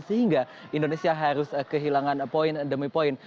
sehingga indonesia harus kehilangan poin demi poin